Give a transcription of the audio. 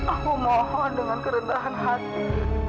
aku mohon dengan kerendahan hati